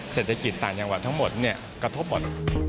เศรษฐกิจต่างจังหวัดทั้งหมดเนี่ยกระทบหมด